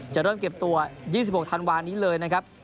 จะเริ่มเก็บตัว๒๖ธันวานี้เลยนะครับ